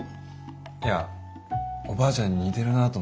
いやおばあちゃんににてるなと思ってさ。